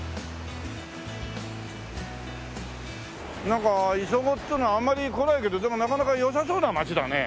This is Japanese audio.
なんか磯子っつうのはあんまり来ないけどでもなかなか良さそうな町だね。